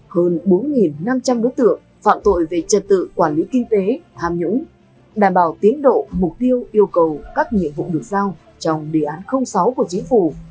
hơn bốn năm trăm linh đối tượng phạm tội về trật tự quản lý kinh tế tham nhũng đảm bảo tiến độ mục tiêu yêu cầu các nhiệm vụ được giao trong đề án sáu của chính phủ